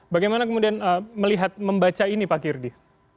bagaimana kemudian melihat membaca ini pak girdi